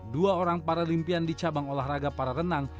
dua orang paralimpian di cabang olahraga para renang